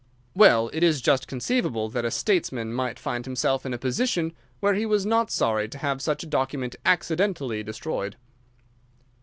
"Well, it is just conceivable that a statesman might find himself in a position where he was not sorry to have such a document accidentally destroyed."